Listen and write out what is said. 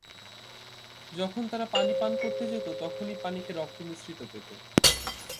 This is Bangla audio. যখন তারা পানি পান করতে যেত তখনই পানিকে রক্ত মিশ্রিত পেত।